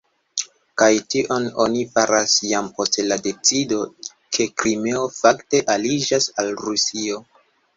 Kaj tion oni faras jam post la decido, ke Krimeo fakte aliĝas al Rusio.